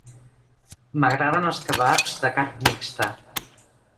M'agraden els kebabs de carn mixta.